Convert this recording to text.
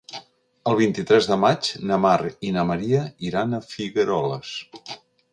El vint-i-tres de maig na Mar i na Maria iran a Figueroles.